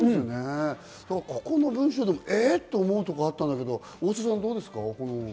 ここの文章でえっ？と思うところがあったんだけど、大沢さん、どうですか？